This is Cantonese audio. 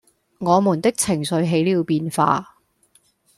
我們的情緒起了變化